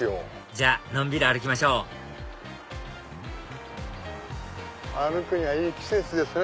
じゃあのんびり歩きましょう歩くにはいい季節ですね。